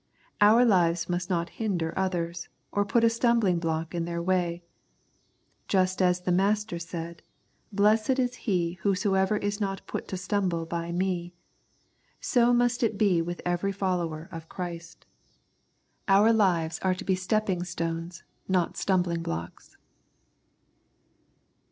Our lives must not hinder others, or put a stumbling block in their way. Just as the Master said, " Blessed is he whosoever is not put to stumble by Me," so must it be with every follower of Christ. 134 Love and Discernment Our lives are to be stepping stones, not stumbling blocks.